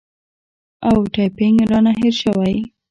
او ټایپینګ رانه هېر شوی